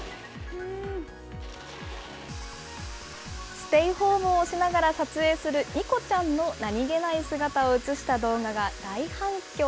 ステイホームをしながら撮影するにこちゃんの何気ない姿を映した動画が大反響。